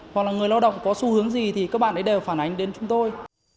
hoặc là người lao động có xu hướng gì thì các bạn ấy đều phản ánh đến chúng tôi